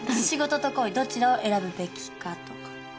仕事と恋どちらを選ぶべきかとか。